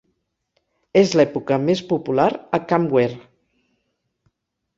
És l'època més popular a Camp Ware.